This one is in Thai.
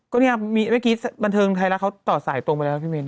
ก็เนี่ยเมื่อกี้บันเทิงไทยรัฐเขาต่อสายตรงไปแล้วพี่มิน